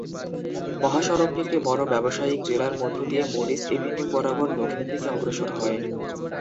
মহাসড়কটি একটি বড় ব্যবসায়িক জেলার মধ্য দিয়ে মরিস এভিনিউ বরাবর দক্ষিণ দিকে অগ্রসর হয়।